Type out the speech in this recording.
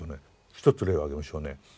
一つ例を挙げましょうね。